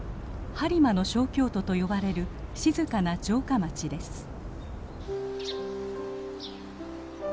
「播磨の小京都」と呼ばれる静かな城下町です。